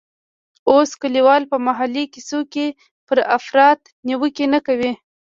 اوس کلیوال په محلي کیسو کې پر افراط نیوکې نه کوي.